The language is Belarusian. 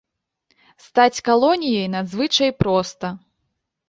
Стаць калоніяй надзвычай проста.